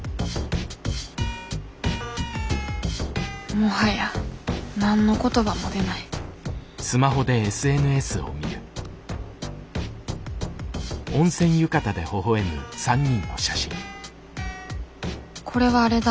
もはや何の言葉も出ないこれはあれだ。